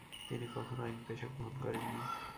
তিনি কখনও আইন পেশা গ্রহণ করেননি।